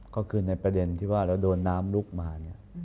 ก็คือในประเด็นที่ว่าเราโดนน้ำลุกมาเนี่ย